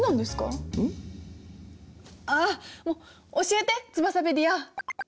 ああっもう教えてツバサペディア。